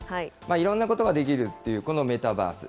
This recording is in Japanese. いろんなことができるっていう、このメタバース。